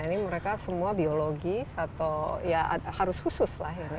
ini mereka semua biologis atau harus khusus